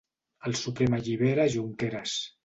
El Suprem allibera a Junqueras